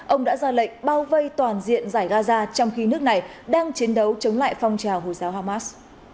ông đã ra lệnh bao vây toàn diện giải gaza trong khi nước này đang chiến đấu chống lại phong trào hồi giáo hamas